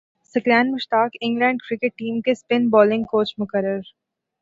ثقلین Mushtaq England cricket team کے spin bowling coach مقرر